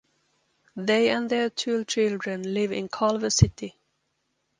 They and their two children live in Culver City.